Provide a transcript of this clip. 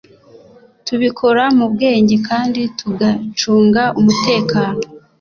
tubikora mu bwenge kandi tugacunga umutekano